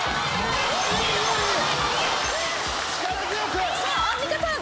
さあアンミカさん。